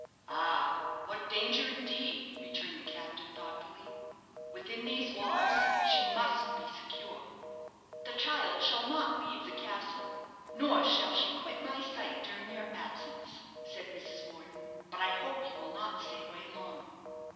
"Ah; what danger, indeed!" returned the captain, thoughtfully. "Within these walls she must be secure." "The child shall not leave the castle, nor shall she quit my sight during your absence," said Mrs. Morden. "But I hope you will not stay away long."